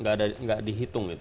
tidak dihitung itu